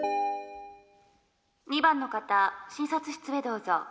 「２番の方診察室へどうぞ」。